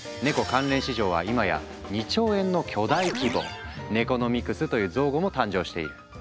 関連市場はいまや２兆円の巨大規模！「ネコノミクス」という造語も誕生している。